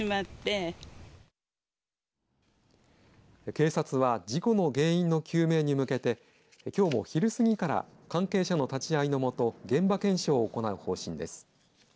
警察は事故の原因の究明に向けてきょうも昼過ぎから関係者の立ち会いのもと現場検証を行う方針です。